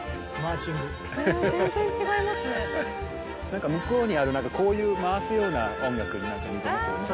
なんか向こうにあるこういう回すような音楽になんか似てますよね。